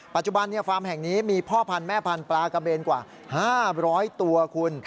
ฟาร์มแห่งนี้มีพ่อพันธุ์แม่พันธุ์ปลากระเบนกว่า๕๐๐ตัวคุณ